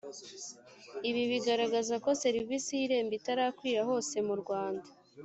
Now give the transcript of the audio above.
ibi bigaragaza ko serivisi y irembo itarakwira hose mu rwanda